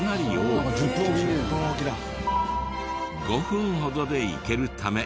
５分ほどで行けるため。